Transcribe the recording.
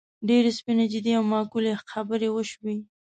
ډېرې سپینې، جدي او معقولې خبرې وشوې.